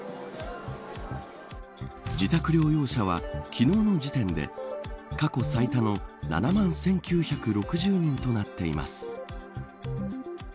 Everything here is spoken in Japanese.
自宅療養者は昨日の時点で過去最多の７万１９６０人となっています。